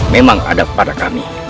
memang ada pada kami